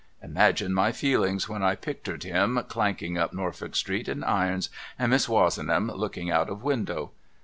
Imagine my feehngs when I I)ictercd him clanking up Norfolk street in irons and Miss Wozenham looking out of window